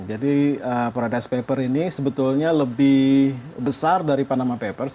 jadi paradise papers ini sebetulnya lebih besar dari panama papers